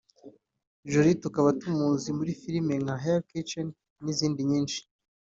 Jolie tukaba tumuzi muri Filime nka Hell’s Kitchen n’izindi nyinshi